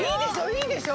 いいでしょ？